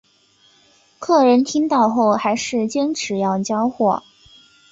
客人听到后还是坚持要交货